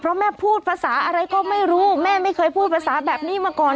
เพราะแม่พูดภาษาอะไรก็ไม่รู้แม่ไม่เคยพูดภาษาแบบนี้มาก่อน